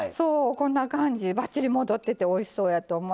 こんな感じばっちり戻ってておいしそうやと思います。